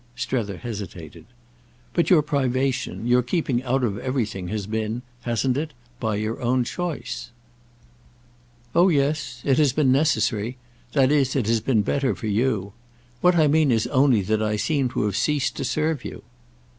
Strether hesitated. "But your privation, your keeping out of everything, has been—hasn't it?—by your own choice." "Oh yes; it has been necessary—that is it has been better for you. What I mean is only that I seem to have ceased to serve you."